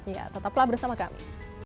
ya tetaplah bersama kami